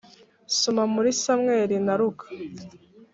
Soma muri Samweli na luka